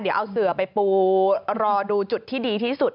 เดี๋ยวเอาเสือไปปูรอดูจุดที่ดีที่สุด